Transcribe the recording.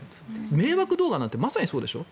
迷惑動画なんてまさにそうでしょ？